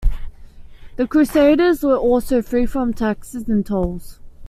The crusaders were also free from taxes and tolls.